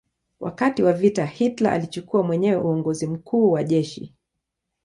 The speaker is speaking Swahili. Wakati wa vita Hitler alichukua mwenyewe uongozi mkuu wa jeshi.